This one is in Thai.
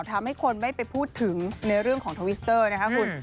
ทำให้คนไม่ไปพูดถึงในเรื่องของทวิสเตอร์นะคะคุณ